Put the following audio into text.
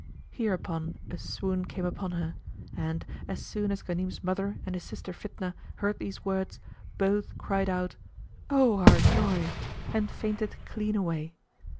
Hereupon a swoon came upon her; and, as soon as Ghanim's mother and his sister Fitnah heard these words, both cried out "O our joy'" and fainted clean away.